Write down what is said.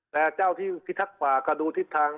แต่เจ้าที่พิทักษ์ป่าก็ดูทิศทาง